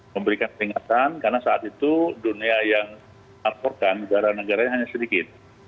memberikan peringatan karena saat itu dunia yang melaporkan negara negaranya hanya sedikit